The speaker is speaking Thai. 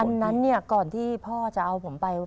อันนั้นก่อนที่พ่อจะเอาผมไป